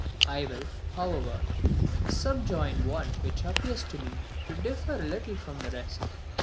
I will, however, subjoin one which appears to me to differ a little from the rest.